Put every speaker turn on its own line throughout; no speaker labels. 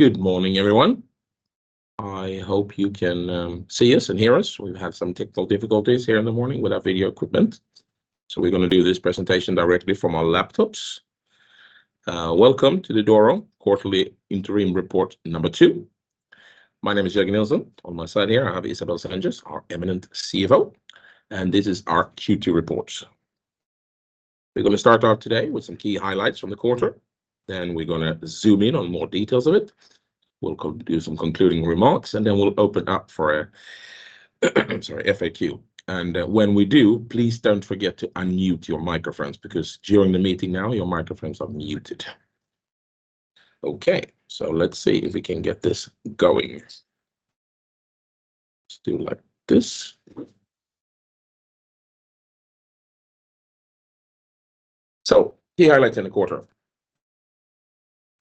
Good morning, everyone. I hope you can see us and hear us. We've had some technical difficulties here in the morning with our video equipment. We're gonna do this presentation directly from our laptops. Welcome to the Doro Quarterly Interim Report number 2. My name is Jörgen Nilsson. On my side here, I have Isabelle Sengès, our eminent CFO, and this is our Q2 report. We're gonna start off today with some key highlights from the quarter, then we're gonna zoom in on more details of it. We'll do some concluding remarks. We'll open up for a, sorry, FAQ. When we do, please don't forget to unmute your microphones, because during the meeting now, your microphones are muted. Okay, let's see if we can get this going. Let's do like this. Key highlights in the quarter.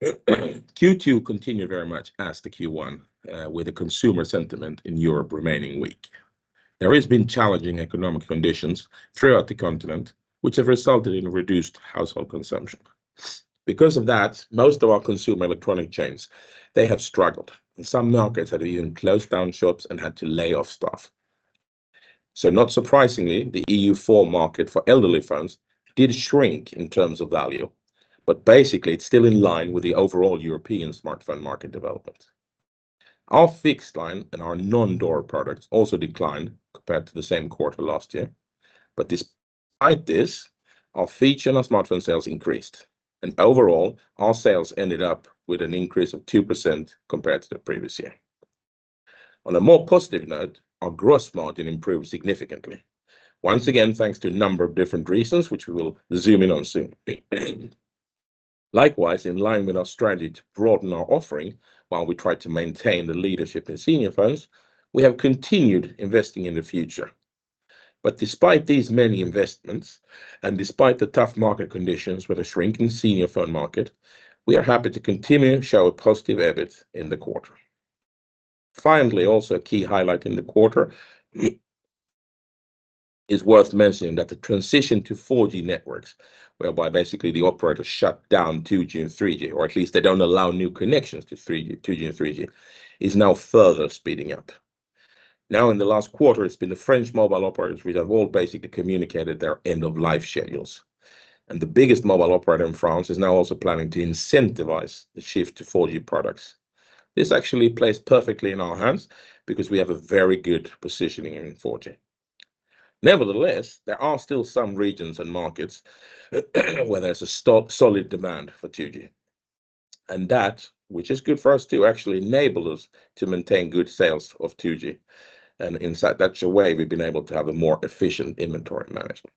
Q2 continued very much as the Q1, with the consumer sentiment in Europe remaining weak. There has been challenging economic conditions throughout the continent, which have resulted in reduced household consumption. Because of that, most of our consumer electronic chains, they have struggled. In some markets have even closed down shops and had to lay off staff. Not surprisingly, the EU4 market for elderly phones did shrink in terms of value, but basically, it's still in line with the overall European smartphone market development. Our fixed line and our non-Doro products also declined compared to the same quarter last year. Despite this, our feature and our smartphone sales increased, and overall, our sales ended up with an increase of 2% compared to the previous year. On a more positive note, our gross margin improved significantly. Once again, thanks to a number of different reasons, which we will zoom in on soon. Likewise, in line with our strategy to broaden our offering, while we try to maintain the leadership in senior phones, we have continued investing in the future. Despite these many investments, and despite the tough market conditions with a shrinking senior phone market, we are happy to continue to show a positive EBIT in the quarter. Also a key highlight in the quarter, is worth mentioning that the transition to 4G networks, whereby basically the operators shut down 2G and 3G, or at least they don't allow new connections to 3G, 2G and 3G, is now further speeding up. In the last quarter, it's been the French mobile operators which have all basically communicated their end-of-life-schedules, and the biggest mobile operator in France is now also planning to incentivize the shift to 4G products. This actually plays perfectly in our hands because we have a very good positioning in 4G. Nevertheless, there are still some regions and markets where there's a solid demand for 2G, and that, which is good for us too, actually enable us to maintain good sales of 2G. In such a way, we've been able to have a more efficient inventory management.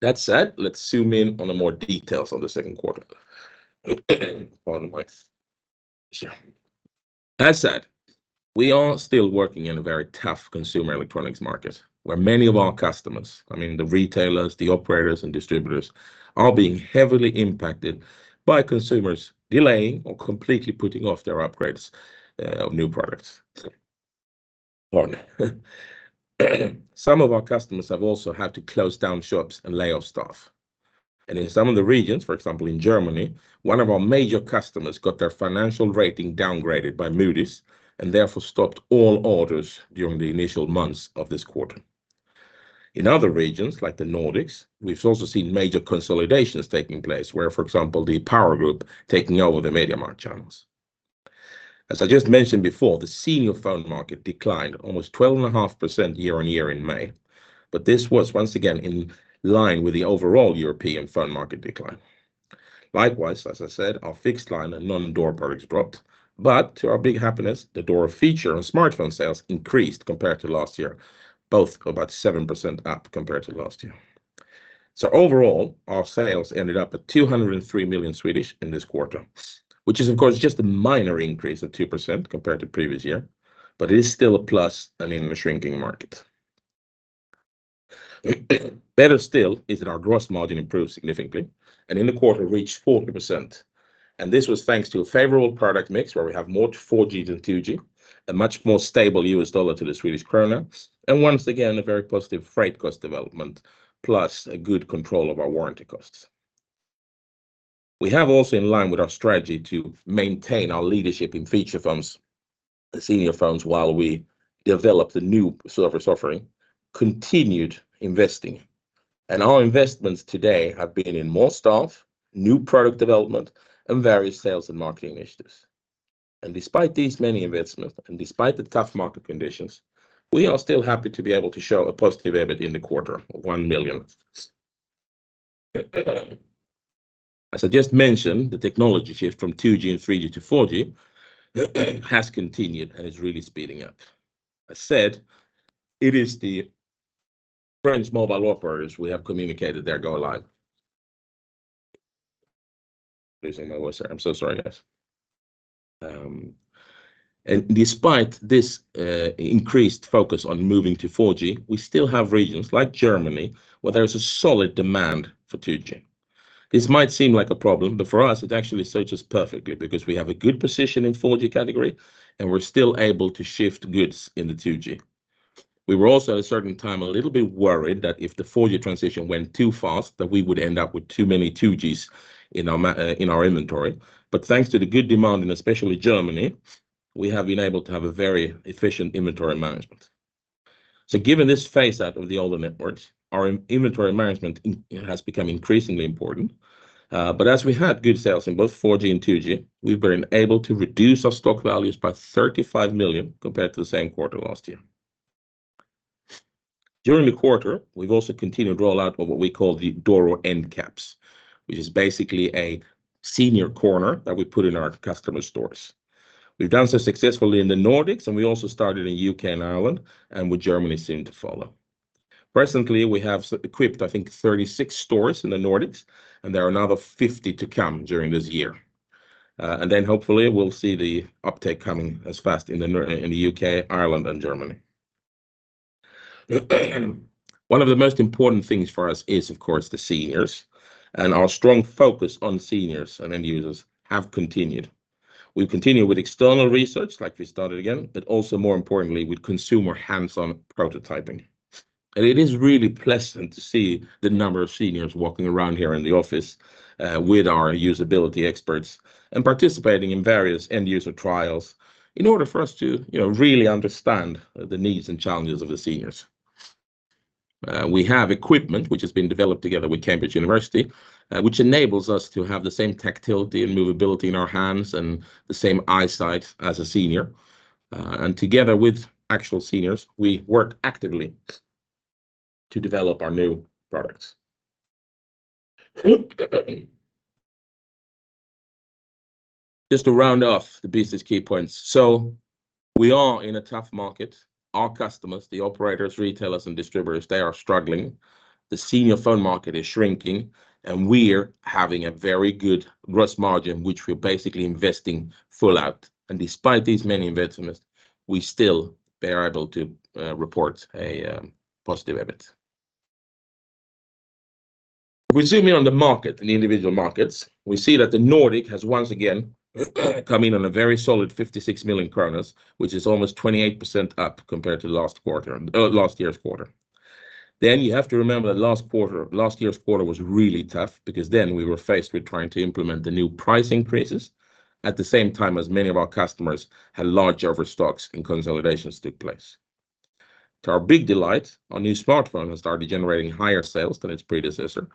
That said, let's zoom in on the more details of the second quarter. Pardon my... Yeah. That said, we are still working in a very tough consumer electronics market, where many of our customers, I mean, the retailers, the operators, and distributors, are being heavily impacted by consumers delaying or completely putting off their upgrades of new products. Pardon. Some of our customers have also had to close down shops and lay off staff. In some of the regions, for example, in Germany, one of our major customers got their financial rating downgraded by Moody's and therefore stopped all orders during the initial months of this quarter. In other regions, like the Nordics, we've also seen major consolidations taking place, where, for example, the Power Group taking over the MediaMarkt channels. As I just mentioned before, the senior phone market declined almost 12.5% year-on-year in May. This was once again in line with the overall European phone market decline. Likewise, as I said, our fixed line and non-Doro products dropped, to our big happiness, the Doro feature on smartphone sales increased compared to last year. Both about 7% up compared to last year. Overall, our sales ended up at 203 million in this quarter, which is, of course, just a minor increase of 2% compared to previous year. It is still a plus and in a shrinking market. Better still is that our gross margin improved significantly, in the quarter, reached 40%, this was thanks to a favorable product mix, where we have more 4G than 2G, a much more stable U.S. dollar to the Swedish krona, once again, a very positive freight cost development, plus a good control of our warranty costs. We have also, in line with our strategy to maintain our leadership in feature phones, senior phones, while we develop the new software offering, continued investing. Our investments today have been in more staff, new product development, and various sales and marketing initiatives. Despite these many investments, despite the tough market conditions, we are still happy to be able to show a positive EBIT in the quarter of 1 million. As I just mentioned, the technology shift from 2G and 3G to 4G has continued and is really speeding up. I said, it is the French mobile operators we have communicated their go live. Losing my voice here. I'm so sorry, guys. Despite this increased focus on moving to 4G, we still have regions like Germany, where there is a solid demand for 2G. This might seem like a problem, but for us, it actually suits us perfectly, because we have a good position in 4G category, and we're still able to shift goods into 2G. We were also at a certain time, a little bit worried that if the four-year transition went too fast, that we would end up with too many 2Gs in our inventory. Thanks to the good demand, and especially Germany, we have been able to have a very efficient inventory management. Given this phase-out of the older networks, our in-inventory management has become increasingly important. As we had good sales in both 4G and 2G, we've been able to reduce our stock values by 35 million compared to the same quarter last year. During the quarter, we've also continued rollout of what we call the Doro end-caps, which is basically a senior corner that we put in our customer stores. We've done so successfully in the Nordics, and we also started in U.K.. and Ireland, and with Germany soon to follow. Presently, we have so equipped, I think, 36 stores in the Nordics, and there are another 50 to come during this year. Hopefully, we'll see the uptake coming as fast in the U.K., Ireland and Germany. One of the most important things for us is, of course, the seniors, and our strong focus on seniors and end users have continued. We continue with external research like we started again, but also more importantly, with consumer hands-on prototyping. It is really pleasant to see the number of seniors walking around here in the office, with our usability experts and participating in various end-user trials in order for us to, you know, really understand the needs and challenges of the seniors. We have equipment which has been developed together with University of Cambridge, which enables us to have the same tactility and movability in our hands and the same eyesight as a senior. Together with actual seniors, we work actively to develop our new products. Just to round off the business key points. We are in a tough market. Our customers, the operators, retailers, and distributors, they are struggling. The senior phone market is shrinking, and we're having a very good gross margin, which we're basically investing full out. Despite these many investments, we still are able to report a positive EBIT. We zoom in on the market, in the individual markets, we see that the Nordic has once again, come in on a very solid 56 million kronor, which is almost 28% up compared to last quarter, last year's quarter. You have to remember that last year's quarter was really tough because then we were faced with trying to implement the new price increases at the same time as many of our customers had large overstocks and consolidations took place. To our big delight, our new smartphone has started generating higher sales than its predecessor,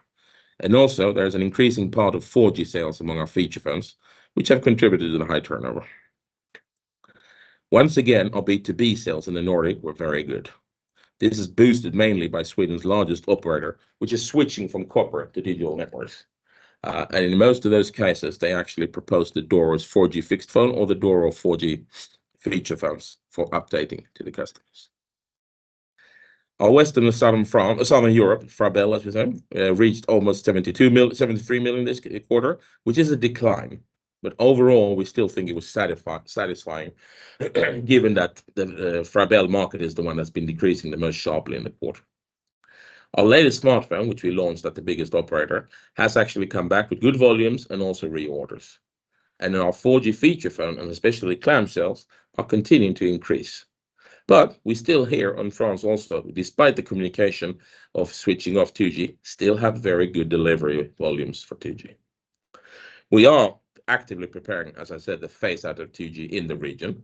and also there's an increasing part of 4G sales among our feature phones, which have contributed to the high turnover. Once again, our B2B sales in the Nordic were very good. This is boosted mainly by Sweden's largest operator, which is switching from corporate to digital networks. In most of those cases, they actually propose the Doro's 4G fixed phone or the Doro 4G feature phones for updating to the customers. Our Western and Southern France, Southern Europe, Frabel, as we say, reached almost SEK 73 million this quarter, which is a decline. Overall, we still think it was satisfying, given that the Frabel market is the one that's been decreasing the most sharply in the quarter. Our latest smartphone, which we launched at the biggest operator, has actually come back with good volumes and also reorders. Our 4G feature phone, and especially clamshells, are continuing to increase. We still here on France also, despite the communication of switching off 2G, still have very good delivery volumes for 2G. We are actively preparing, as I said, the phase-out of 2G in the region,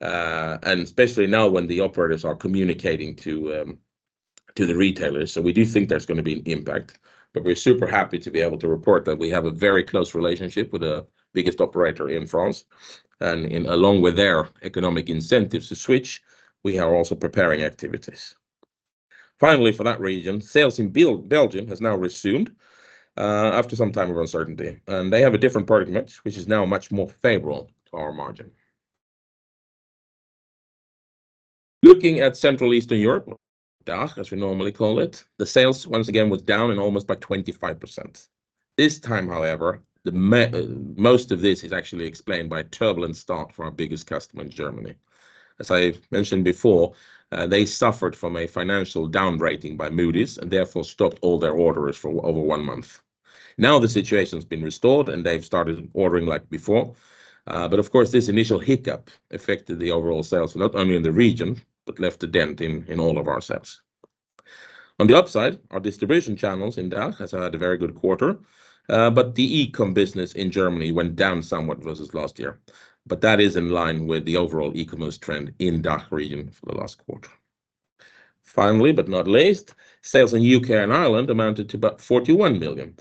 and especially now when the operators are communicating to the retailers. We do think there's gonna be an impact, but we're super happy to be able to report that we have a very close relationship with the biggest operator in France, and in along with their economic incentives to switch, we are also preparing activities. Finally, for that region, sales in Belgium has now resumed, after some time of uncertainty, and they have a different product mix, which is now much more favorable to our margin. Looking at Central Eastern Europe, DACH, as we normally call it, the sales once again was down and almost by 25%. This time, however, most of this is actually explained by a turbulent start from our biggest customer in Germany. As I mentioned before, they suffered from a financial downgrading by Moody's and therefore, stopped all their orders for over one month. The situation's been restored, and they've started ordering like before. Of course, this initial hiccup affected the overall sales, not only in the region, but left a dent in all of our sales. On the upside, our distribution channels in DACH has had a very good quarter, but the e-com business in Germany went down somewhat versus last year. That is in line with the overall e-commerce trend in DACH region for the last quarter. Finally, but not least, sales in U.K. and Ireland amounted to about 41 million.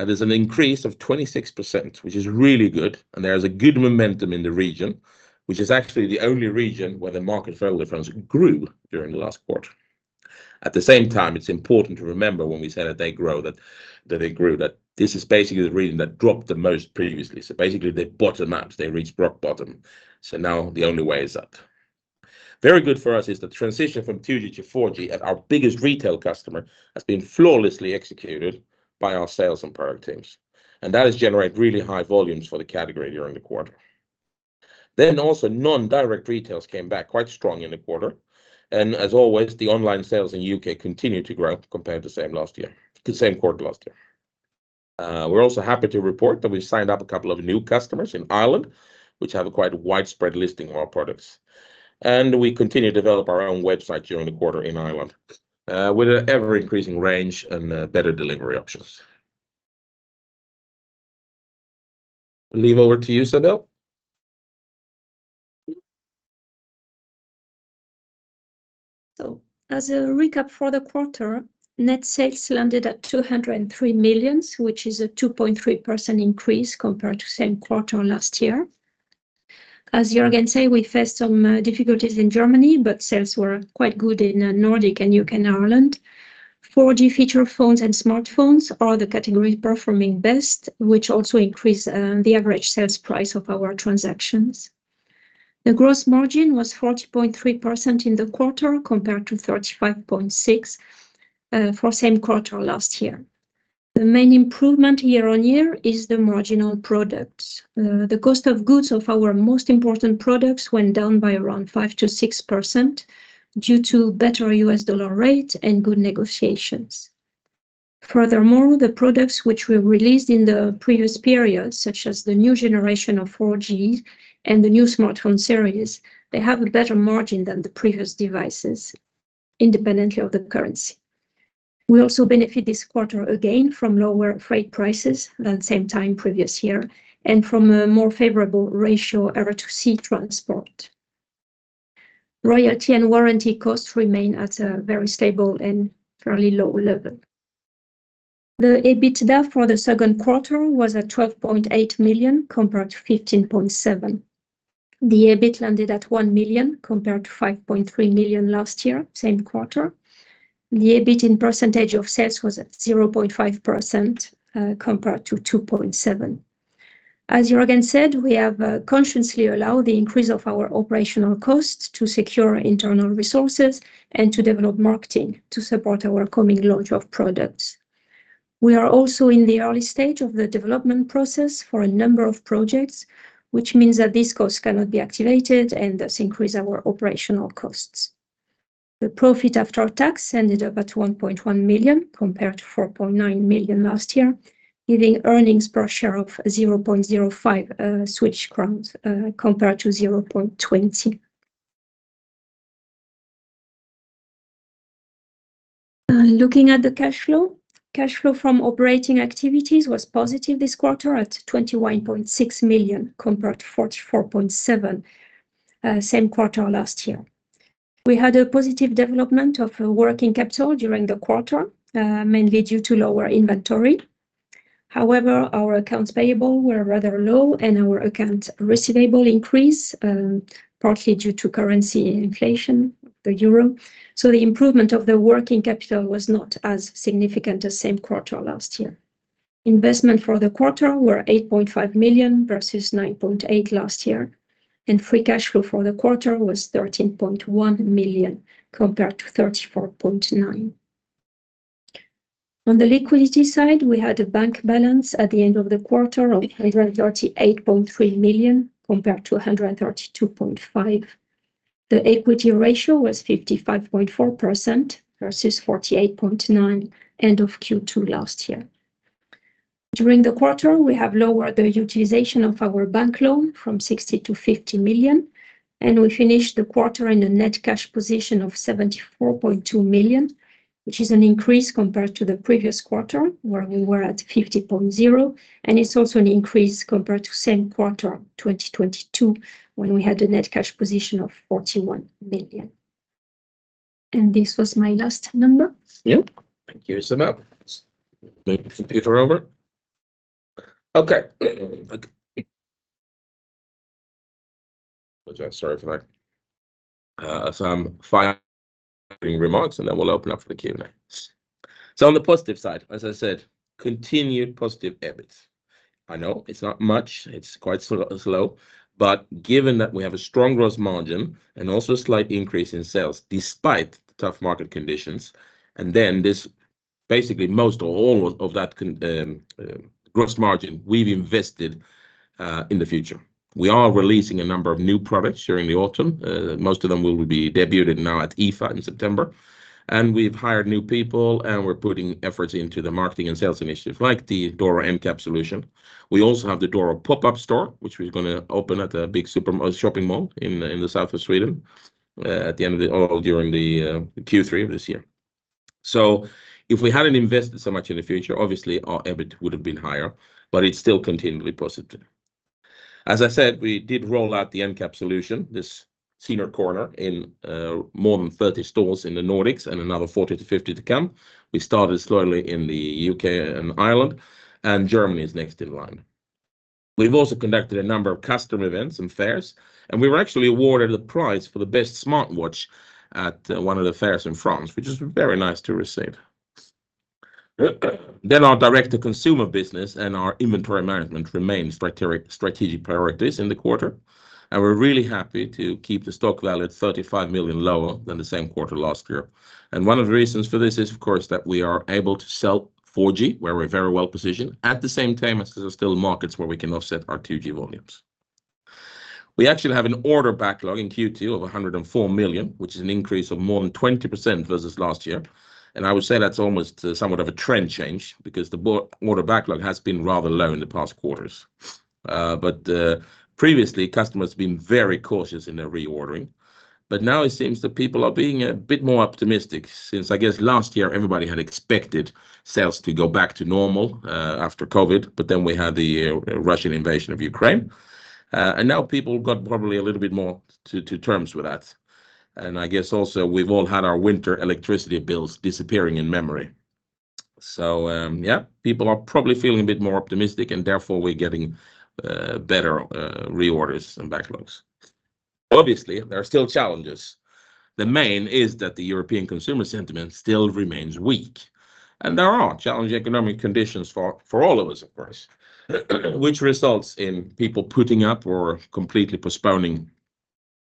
That is an increase of 26%, which is really good, and there is a good momentum in the region, which is actually the only region where the market folder phones grew during the last quarter. At the same time, it's important to remember when we say that they grow, that they grew, that this is basically the region that dropped the most previously. Basically, they bottomed out, they reached rock bottom, so now the only way is up. Very good for us is the transition from 2G to 4G, our biggest retail customer has been flawlessly executed by our sales and product teams. That has generated really high volumes for the category during the quarter. Also, non-direct retails came back quite strong in the quarter, and as always, the online sales in U.K. continued to grow compared to same last year, the same quarter last year. We're also happy to report that we've signed up a couple of new customers in Ireland, which have a quite widespread listing of our products. We continue to develop our own website during the quarter in Ireland, with an ever-increasing range and better delivery options. I leave over to you, Isabelle.
As a recap for the quarter, net sales landed at 203 million, which is a 2.3% increase compared to same quarter last year. As Jörgen said, we faced some difficulties in Germany, but sales were quite good in Nordic and U.K., and Ireland. 4G feature phones and smartphones are the category performing best, which also increase the average sales price of our transactions. The gross margin was 40.3% in the quarter, compared to 35.6% for same quarter last year. The main improvement year-over-year is the marginal products. The cost of goods of our most important products went down by around 5%-6% due to better U.S. dollar rate and good negotiations. Furthermore, the products which we released in the previous period, such as the new generation of 4G and the new smartphone series, they have a better margin than the previous devices, independently of the currency. We also benefit this quarter again from lower freight prices than same time previous year and from a more favorable ratio air-to-sea transport. Royalty and warranty costs remain at a very stable and fairly low level. The EBITDA for the second quarter was at 12.8 million, compared to 15.7 million. The EBIT landed at 1 million, compared to 5.3 million last year, same quarter. The EBIT in percentage of sales was at 0.5% compared to 2.7%. As Jörgen said, we have consciously allowed the increase of our operational costs to secure internal resources and to develop marketing to support our coming launch of products. We are also in the early stage of the development process for a number of projects, which means that this cost cannot be activated and thus increase our operational costs. The profit after tax ended up at 1.1 million, compared to 4.9 million last year, giving earnings per share of 0.05 crowns, compared to 0.20. Looking at the cash flow, cash flow from operating activities was positive this quarter at 21.6 million, compared to 44.7 million, same quarter last year. We had a positive development of working capital during the quarter, mainly due to lower inventory. Our accounts payable were rather low, and our accounts receivable increased, partly due to currency inflation, the euro. The improvement of the working capital was not as significant as same quarter last year. Investment for the quarter were 8.5 million versus 9.8 million last year, and free cash flow for the quarter was 13.1 million, compared to 34.9 million. On the liquidity side, we had a bank balance at the end of the quarter of 138.3 million, compared to 132.5 million. The equity ratio was 55.4% versus 48.9%, end of Q2 last year. During the quarter, we have lowered the utilization of our bank loan from 60 million to 50 million, and we finished the quarter in a net cash position of 74.2 million, which is an increase compared to the previous quarter, where we were at 50.0 million, and it's also an increase compared to same quarter, 2022, when we had a net cash position of 41 million. This was my last number.
Yep. Thank you, Isabelle. Give the computer over. Sorry for that. Some final remarks. We'll open up for the Q&A. On the positive side, as I said, continued positive EBIT. I know it's not much. It's quite slow, but given that we have a strong gross margin and also slight increase in sales despite the tough market conditions, and then this basically, most or all of that gross margin, we've invested in the future. We are releasing a number of new products during the autumn. Most of them will be debuted now at IFA in September, and we've hired new people, and we're putting efforts into the marketing and sales initiatives, like the Doro end-cap solution. We also have the Doro pop-up store, which we're gonna open at a big shopping mall in the south of Sweden, at the end of or during Q3 of this year. If we hadn't invested so much in the future, obviously, our EBIT would have been higher, but it's still continually positive. As I said, we did roll out the end-cap solution, this senior corner, in more than 30 stores in the Nordics and another 40-50 to come. We started slowly in the U.K. and Ireland, Germany is next in line. We've also conducted a number of customer events and fairs, we were actually awarded a prize for the best smartwatch at one of the fairs in France, which is very nice to receive. Our direct-to-consumer business and our inventory management remains strategic priorities in the quarter. We're really happy to keep the stock value at 35 million lower than the same quarter last year. One of the reasons for this is, of course, that we are able to sell 4G, where we're very well positioned. At the same time, as there are still markets where we can offset our 2G volumes. We actually have an order backlog in Q2 of 104 million, which is an increase of more than 20% versus last year. I would say that's almost somewhat of a trend change, because the order backlog has been rather low in the past quarters. Previously, customers have been very cautious in their reordering, but now it seems that people are being a bit more optimistic, since I guess last year everybody had expected sales to go back to normal after COVID, but then we had the Russian invasion of Ukraine. Now people got probably a little bit more to terms with that. I guess also we've all had our winter electricity bills disappearing in memory. People are probably feeling a bit more optimistic, and therefore, we're getting better reorders and backlogs. Obviously, there are still challenges. The main is that the European consumer sentiment still remains weak, and there are challenging economic conditions for all of us, of course, which results in people putting up or completely postponing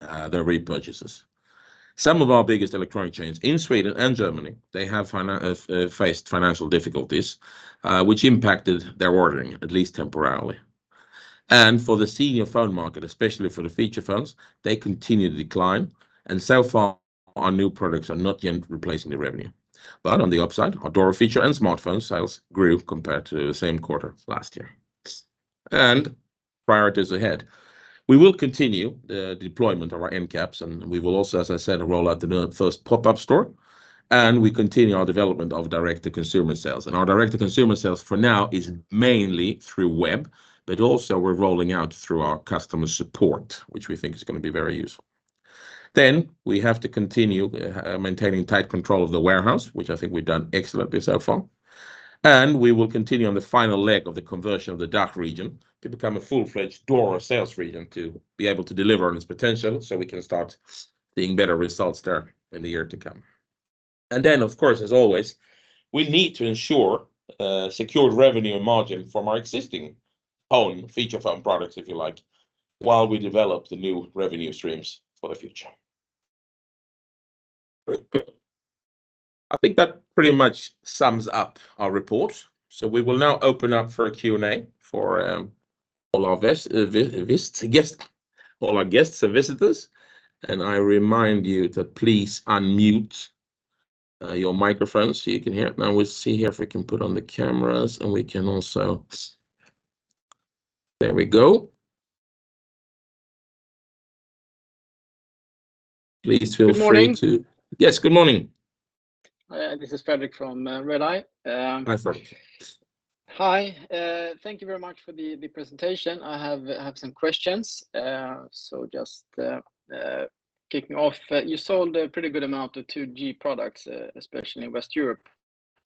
their repurchases. Some of our biggest electronic chains in Sweden and Germany, they have faced financial difficulties, which impacted their ordering, at least temporarily. For the senior phone market, especially for the feature phones, they continue to decline, and so far, our new products are not yet replacing the revenue. On the upside, our Doro feature and smartphone sales grew compared to the same quarter last year. Priorities ahead. We will continue the deployment of our end-caps, and we will also, as I said, roll out the new first pop-up store, and we continue our development of direct-to-consumer sales. Our direct-to-consumer sales, for now, is mainly through web, but also we're rolling out through our customer support, which we think is gonna be very useful. We have to continue maintaining tight control of the warehouse, which I think we've done excellently so far. We will continue on the final leg of the conversion of the DACH region to become a full-fledged Doro sales region, to be able to deliver on its potential, so we can start seeing better results there in the year to come. Of course, as always, we need to ensure secured revenue and margin from our existing own feature phone products, if you like, while we develop the new revenue streams for the future. I think that pretty much sums up our report. We will now open up for a Q&A for all our guests and visitors, and I remind you to please unmute your microphone, so you can hear. Now, we'll see if we can put on the cameras, and we can also. There we go. Please feel free to.
Good morning.
Yes, good morning.
This is Fredrik from Redeye.
Hi, Fred.
Hi, thank you very much for the presentation. I have some questions. Just kicking off, you sold a pretty good amount of 2G products, especially in West Europe,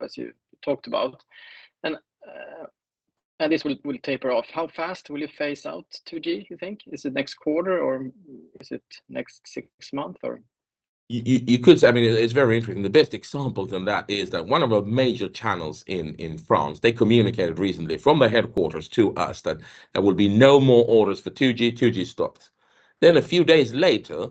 as you talked about, and this will taper off. How fast will you phase out 2G, you think? Is it next quarter, or is it next six months, or?
You could say, I mean, it's very interesting. The best example than that is that one of our major channels in France, they communicated recently from the headquarters to us that there would be no more orders for 2G. 2G stopped. A few days later,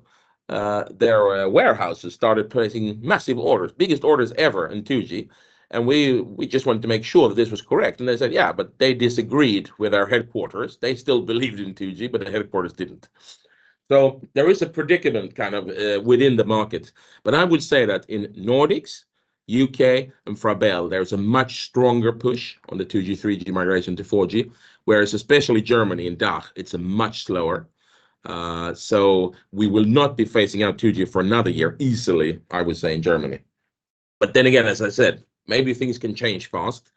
their warehouses started placing massive orders, biggest orders ever in 2G, and we just wanted to make sure that this was correct. They said, "Yeah," They disagreed with our headquarters. They still believed in 2G, The headquarters didn't. There is a predicament kind of within the market, I would say that in Nordics, U.K., and for Belgium, there's a much stronger push on the 2G, 3G migration to 4G, whereas especially Germany and DACH, it's a much slower. We will not be phasing out 2G for another year easily, I would say, in Germany. As I said, maybe things can change fast,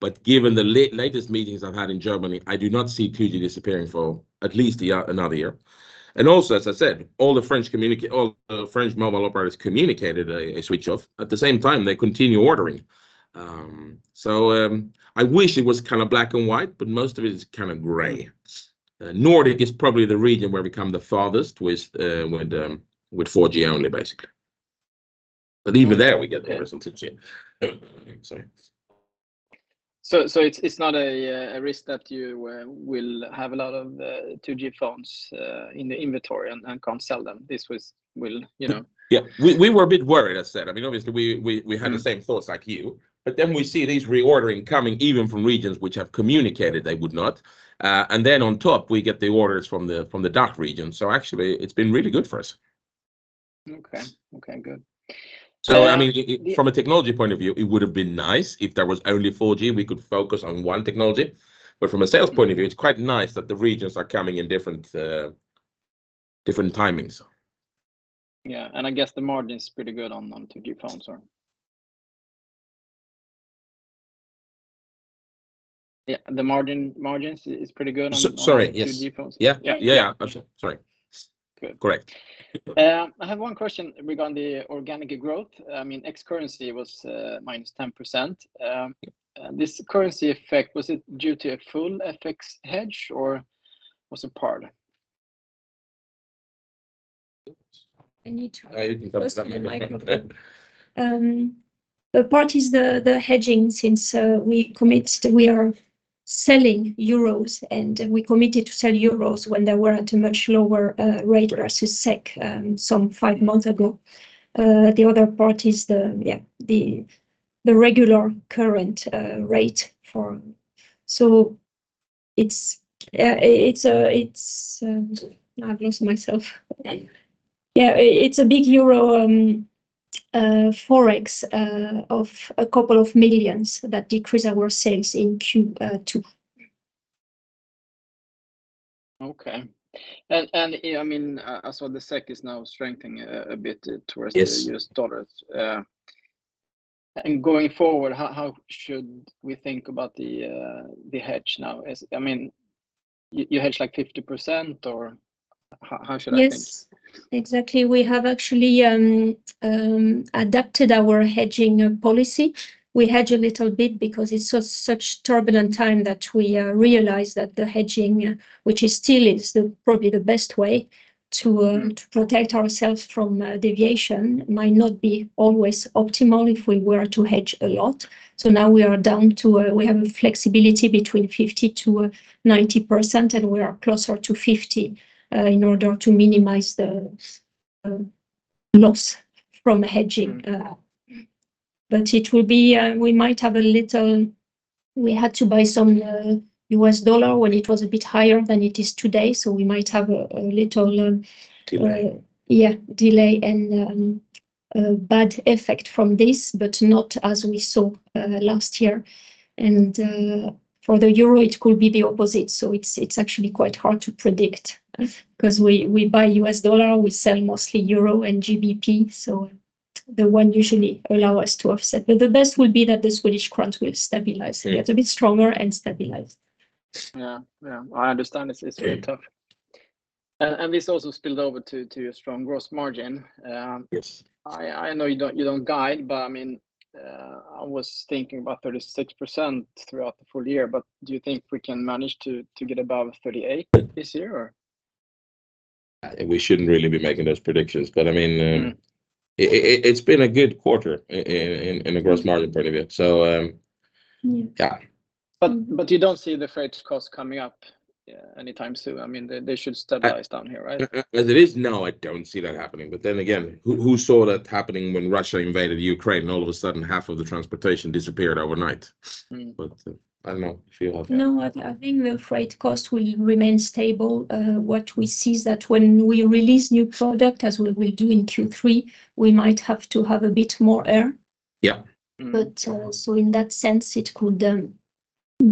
but given the latest meetings I've had in Germany, I do not see 2G disappearing for at least another year. As I said, all French mobile operators communicated a switch off. At the same time, they continue ordering. I wish it was kind of black and white, but most of it is kind of gray. Nordic is probably the region where we come the farthest with 4G only, basically. Even there, we get results in 2G. Sorry.
It's not a risk that you will have a lot of 2G phones in the inventory and can't sell them?
We were a bit worried, as I said. I mean, obviously.
Mm...
had the same thoughts like you, we see these reordering coming even from regions which have communicated they would not. On top, we get the orders from the, from the DACH region. It's been really good for us.
Okay. Okay, good.
I mean, from a technology point of view, it would have been nice if there was only 4G, we could focus on one technology. From a sales point of view, it's quite nice that the regions are coming in different timings.
Yeah, I guess the margin is pretty good on 2G phones, right? Yeah, the margins is pretty good on.
Sorry, yes.
On 2G phones.
Yeah.
Yeah.
Yeah, yeah. Absolutely. Sorry.
Good.
Correct.
I have one question regarding the organic growth. I mean, X currency was -10%. This currency effect, was it due to a full FX hedge, or was it part?
I need to-
I didn't understand.
The part is the hedging, since we are selling euros, and we committed to sell euros when they were at a much lower rate as a SEK, some five months ago. The other part is the regular current rate for. It's it's it's I've lost myself. It's a big euro Forex of a couple of million EUR that decrease our sales in Q2.
Okay. And, I mean, so the SEC is now strengthening, a bit towards-
Yes...
the US dollars. Going forward, how should we think about the hedge now? I mean, you hedge, like, 50%, or how should I think?
Yes, exactly. We have actually adapted our hedging policy. We hedge a little bit because it's so such turbulent time that we realize that the hedging, which is still, is the probably the best way to protect ourselves from deviation, might not be always optimal if we were to hedge a lot. Now we are down to, we have a flexibility between 50%-90%, and we are closer to 50% in order to minimize the loss from hedging.
Mm.
It will be. We had to buy some U.S. dollar when it was a bit higher than it is today, we might have a little.
Delay.
Yeah, delay and a bad effect from this, but not as we saw last year. For the euro, it could be the opposite, so it's actually quite hard to predict. 'Cause we buy U.S. dollar, we sell mostly euro and GBP, so the one usually allow us to offset. The best would be that the Swedish krona will stabilize.
Yeah.
Get a bit stronger and stabilize.
Yeah. Yeah, I understand it's really tough. This also spilled over to a strong gross margin.
Yes.
I know you don't guide, but I mean, I was thinking about 36% throughout the full year, but do you think we can manage to get above 38% this year, or?
We shouldn't really be making those predictions, but I mean.
Mm
It's been a good quarter in the gross margin point of view. Yeah.
Yeah.
You don't see the freight costs coming up anytime soon. I mean, they should stabilize down here, right?
As it is now, I don't see that happening. Again, who saw that happening when Russia invaded Ukraine, and all of a sudden, half of the transportation disappeared overnight?
Mm.
I don't know.
No, I think the freight cost will remain stable. What we see is that when we release new product, as we will do in Q3, we might have to have a bit more air.
Yeah.
Mm.
In that sense, it could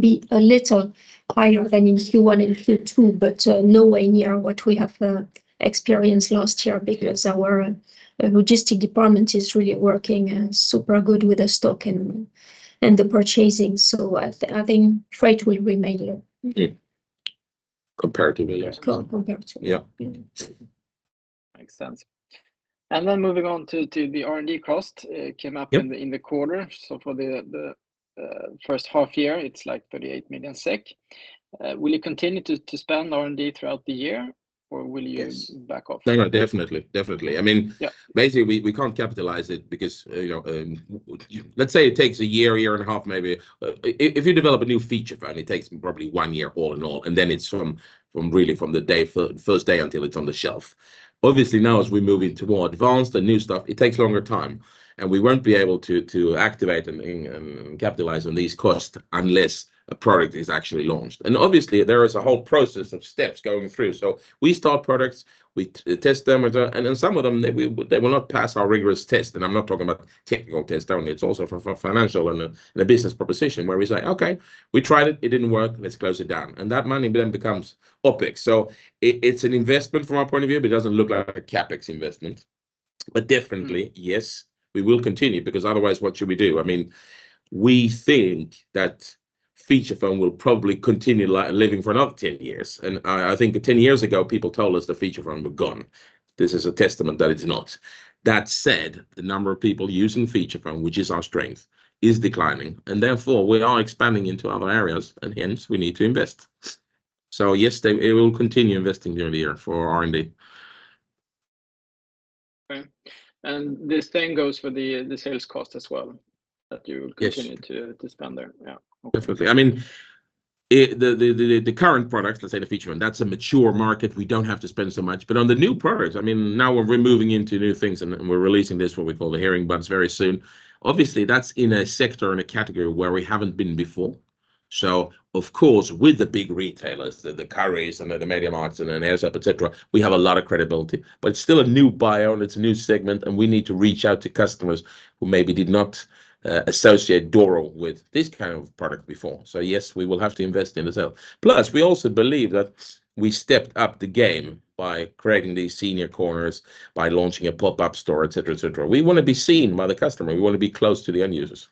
be a little higher than in Q1 and Q2, nowhere near what we have experienced last year. Our logistic department is really working super good with the stock and the purchasing, so I think freight will remain low.
Yeah. Comparatively less.
Comparatively.
Yeah.
Mm.
Makes sense. Moving on to the R&D cost.
Yep...
in the quarter. For the first half year, it's, like, 38 million SEK. Will you continue to spend R&D throughout the year, or will you?
Yes
back off?
No, no, definitely. I mean.
Yeah...
basically, we can't capitalize it because, you know, let's say it takes one year, one and a half years maybe. If you develop a new feature, and it takes probably one year all in all, and then it's from really from the first day until it's on the shelf. Obviously, now, as we move into more advanced and new stuff, it takes longer time, and we won't be able to activate and capitalize on these costs unless a product is actually launched. Obviously, there is a whole process of steps going through. We start products, we test them, and then some of them, they will not pass our rigorous test. I'm not talking about technical test only, it's also for financial and the business proposition, where we say, "Okay, we tried it. It didn't work. Let's close it down." That money then becomes OpEx. It's an investment from our point of view, but it doesn't look like a CapEx investment.... yes, we will continue, because otherwise, what should we do? I mean, we think that feature phone will probably continue living for another 10 years. I think 10 years ago, people told us the feature phone was gone. This is a testament that it's not. That said, the number of people using feature phone, which is our strength, is declining. Therefore, we are expanding into other areas. Hence, we need to invest. Yes, we will continue investing during the year for R&D.
Okay. The same goes for the sales cost as well.
Yes...
continue to spend there. Yeah.
Definitely. I mean, the current products, let's say the feature, and that's a mature market, we don't have to spend so much. On the new products, I mean, now we're moving into new things, and we're releasing this, what we call the HearingBuds, very soon. Obviously, that's in a sector, in a category where we haven't been before. Of course, with the big retailers, the Currys, and the MediaMarkts, and then Amazon, et cetera, we have a lot of credibility. It's still a new buyer, and it's a new segment, and we need to reach out to customers who maybe did not associate Doro with this kind of product before. Yes, we will have to invest in itself. We also believe that we stepped up the game by creating these senior corners, by launching a pop-up store, et cetera, et cetera. We wanna be seen by the customer. We wanna be close to the end users.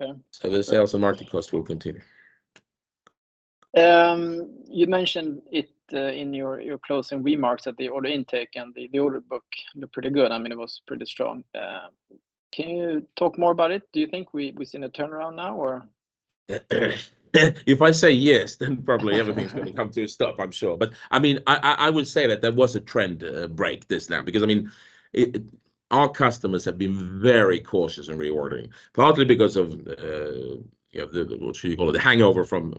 Okay.
The sales and marketing cost will continue.
You mentioned it in your closing remarks that the order intake and the order book looked pretty good. I mean, it was pretty strong. Can you talk more about it? Do you think we're seeing a turnaround now, or?
If I say yes, then probably everything's gonna come to a stop, I'm sure. I mean, I would say that there was a trend break this now. I mean, it, our customers have been very cautious in reordering, partly because of, you know, the, what you call it, the hangover from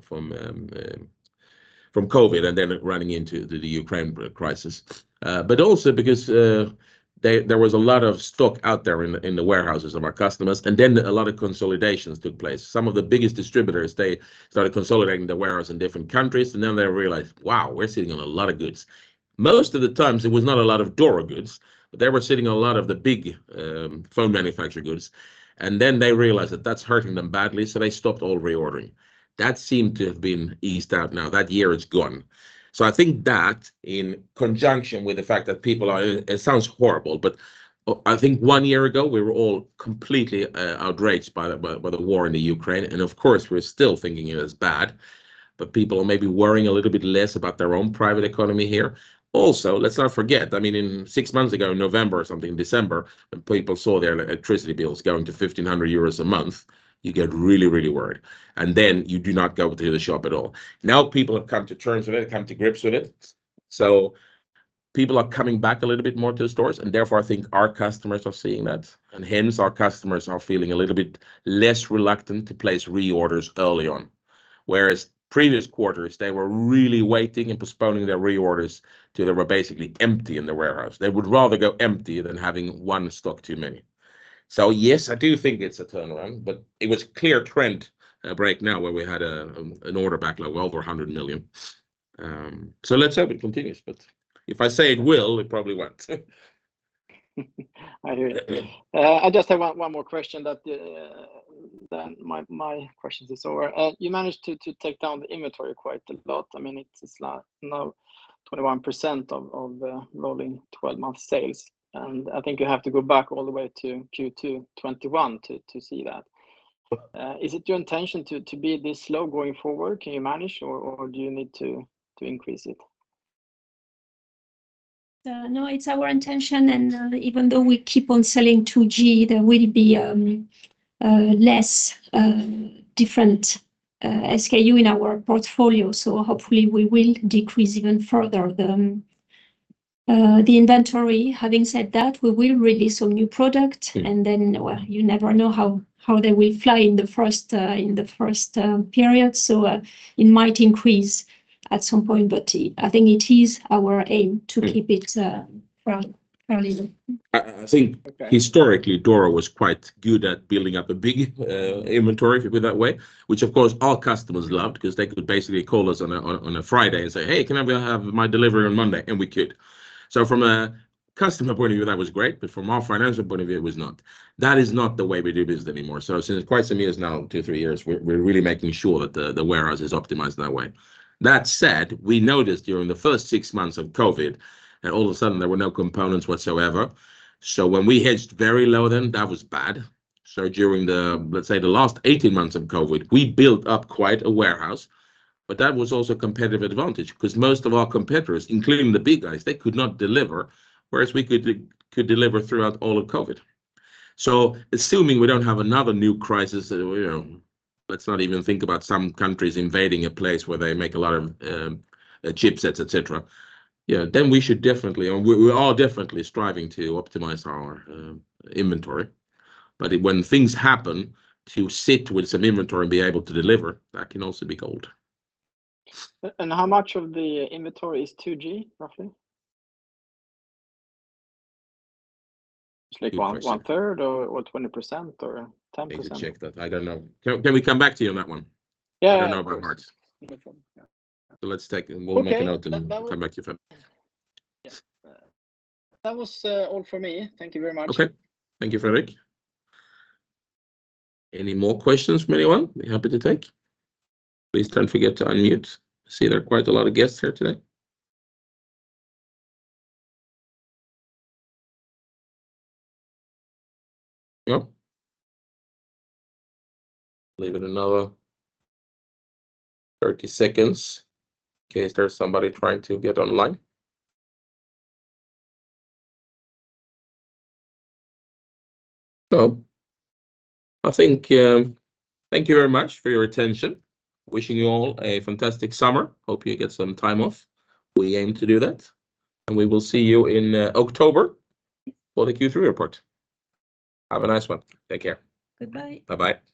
COVID, and then running into the Ukraine crisis. Also because there was a lot of stock out there in the warehouses of our customers, and then a lot of consolidations took place. Some of the biggest distributors, they started consolidating the warehouse in different countries, and then they realized, "Wow, we're sitting on a lot of goods." Most of the times, it was not a lot of Doro goods, but they were sitting on a lot of the big phone manufacturer goods, and then they realized that that's hurting them badly, so they stopped all reordering. That seemed to have been eased out now. That year is gone. I think that, in conjunction with the fact that people it sounds horrible, but I think 1 year ago we were all completely outraged by the war in the Ukraine, and of course, we're still thinking it is bad, but people are maybe worrying a little bit less about their own private economy here. Let's not forget, I mean, in six months ago, in November or something in December, when people saw their electricity bills going to 1,500 euros a month, you get really, really worried, and then you do not go to the shop at all. People have come to terms with it, come to grips with it, so people are coming back a little bit more to the stores, therefore, I think our customers are seeing that. Hence, our customers are feeling a little bit less reluctant to place reorders early on, whereas previous quarters, they were really waiting and postponing their reorders till they were basically empty in the warehouse. They would rather go empty than having one stock too many. Yes, I do think it's a turnaround, but it was clear trend break now where we had an order backlog well over 100 million. Let's hope it continues, but if I say it will, it probably won't.
I hear you. I just have one more question that, then my questions is over. You managed to take down the inventory quite a lot. I mean, it's now 21% of rolling 12-month sales. I think you have to go back all the way to Q2 2021 to see that.
Yeah.
Is it your intention to be this slow going forward? Can you manage or do you need to increase it?
No, it's our intention, and even though we keep on selling 2G, there will be less different SKU in our portfolio. Hopefully we will decrease even further the inventory. Having said that, we will release some new product.
Mm.
Well, you never know how they will fly in the first, in the first period. It might increase at some point, but I think it is our aim.
Mm.
to keep it fairly low.
I think.
Okay
historically, Doro was quite good at building up a big inventory, if you put it that way, which, of course, our customers loved, 'cause they could basically call us on a Friday and say, "Hey, can I have my delivery on Monday?" We could. From a customer point of view, that was great, but from our financial point of view, it was not. That is not the way we do business anymore. Since quite some years now, two, three years, we're really making sure that the warehouse is optimized that way. That said, we noticed during the first six months of COVID, and all of a sudden, there were no components whatsoever. When we hedged very low, then, that was bad. During the, let's say, the last 18 months of COVID, we built up quite a warehouse, but that was also a competitive advantage, 'cause most of our competitors, including the big guys, they could not deliver, whereas we could deliver throughout all of COVID. Assuming we don't have another new crisis, you know, let's not even think about some countries invading a place where they make a lot of chipsets, et cetera, yeah, then we should definitely, or we are definitely striving to optimize our inventory. When things happen, to sit with some inventory and be able to deliver, that can also be gold.
How much of the inventory is 2G, roughly?
Let me see.
Like one-third or 20% or 10%?
Let me check that. I don't know. Can we come back to you on that one?
Yeah, yeah.
I don't know by heart.
No problem. Yeah.
We'll make a note.
Okay, that.
Come back to you for it.
Yeah. That was all for me. Thank you very much.
Okay. Thank you, Fredrik. Any more questions from anyone? Be happy to take. Please don't forget to unmute. I see there are quite a lot of guests here today. No? Leave it another 30 seconds in case there's somebody trying to get online. I think, thank you very much for your attention. Wishing you all a fantastic summer. Hope you get some time off. We aim to do that. We will see you in October for the Q3 report. Have a nice one. Take care.
Goodbye.
Bye-bye.